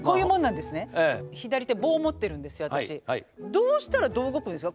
どうしたらどう動くんですか？